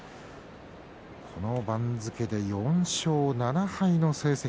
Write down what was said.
この番付で４勝７敗の成績